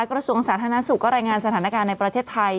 กระทรวงสาธารณสุขก็รายงานสถานการณ์ในประเทศไทย